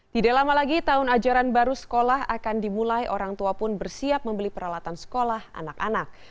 tidak lama lagi tahun ajaran baru sekolah akan dimulai orang tua pun bersiap membeli peralatan sekolah anak anak